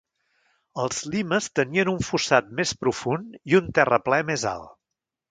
Els limes tenien un fossat més profund i un terraplè més alt.